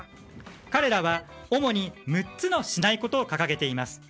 彼らは主に、６つのしないことを掲げています。